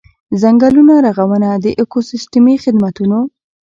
ځنګلونو رغونه د ایکوسیستمي خدمتونو.